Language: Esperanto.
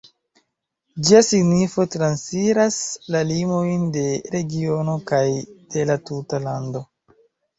Ĝia signifo transiras la limojn de regiono kaj de la tuta lando.